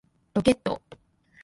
ロケット